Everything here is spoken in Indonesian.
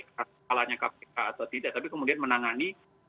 kesalahannya kpk atau tidak tapi kemudian menangani